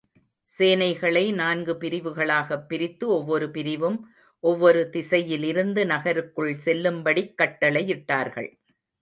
சேனைகளை நான்கு பிரிவுகளாகப் பிரித்து ஒவ்வொரு பிரிவும், ஒவ்வொரு திசையிலிருந்து நகருக்குள் செல்லும்படிக் கட்டளையிட்டார்கள்.